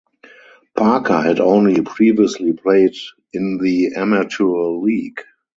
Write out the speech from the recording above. Parker had only previously played in the amateur league.